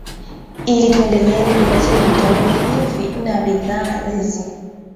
Ili tuendelee kujipatia vitoweo hivi na bidhaa hizi